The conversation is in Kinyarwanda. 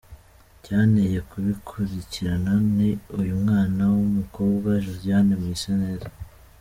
Icyanteye kubikurikirana ni uyu mwana w’umukobwa Josiane Mwiseneza.